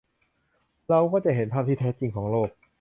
เราก็จะเห็นภาพที่แท้จริงของโลก